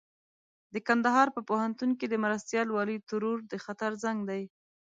د کندهار په پوهنتون کې د مرستيال والي ترور د خطر زنګ دی.